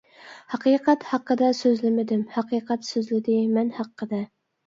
ھەقىقەت ھەققىدە سۆزلىمىدىم، ھەقىقەت سۆزلىدى مەن ھەققىدە.